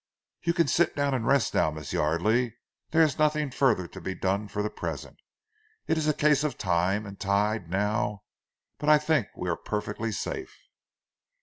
"You can sit down and rest now, Miss Yardely. There is nothing further to be done for the present. It is a case of time and tide now, but I think we are perfectly safe."